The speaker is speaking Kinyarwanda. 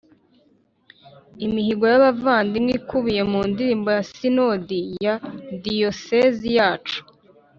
imihigo y’abavandimwe ikubiye mu ndirimbo ya sinodi ya diyosezi yacu